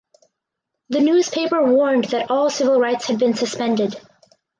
The newspaper warned that all civil rights had been suspended.